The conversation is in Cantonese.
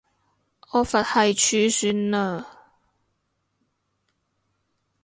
我佛系儲算了